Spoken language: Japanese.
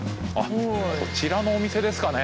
こちらのお店ですかね。